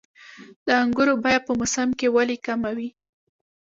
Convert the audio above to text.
د انګورو بیه په موسم کې ولې کمه وي؟